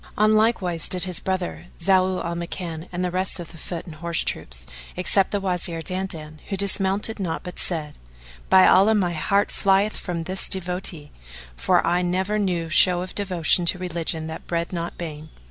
On like wise did his brother, Zau al Makan, and the rest of the foot and horse troops; except the Wazir Dandan, who dismounted not but said, "By Allah, my heart flieth from this devotee, for I never knew show of devotion to religion that bred not bane.